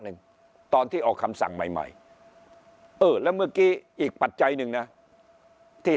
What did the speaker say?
นึงตอนที่ออกคำสั่งใหม่แล้วเมื่อกี้อีกปัจจัยนึงนะที่